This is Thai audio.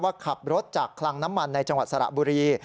ขับรถจากคลังน้ำมันในจังหวัดสระบุรี